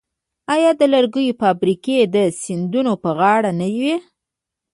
آیا د لرګیو فابریکې د سیندونو په غاړه نه وې؟